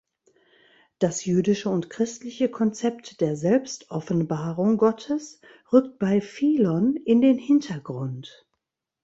Das jüdische und christliche Konzept der Selbstoffenbarung Gottes rückt bei Philon in den Hintergrund.